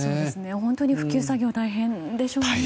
本当に復旧作業大変でしょうね。